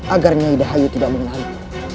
agar nyai dahayu tidak mengenali